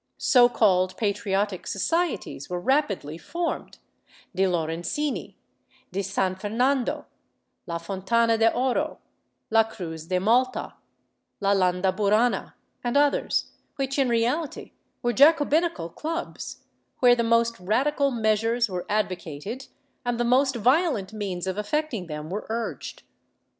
So called patriotic societies were rapidly formed — de Lorencini, de San Fernando, la Fontana de Oro, la Cruz de Malta, la Landaburana and others — which in reality were Jacobinical clubs, where the most radical measures were advocated, and the most violent means of effecting them were urged.